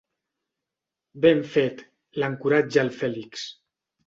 Ben fet —l'encoratja el Fèlix.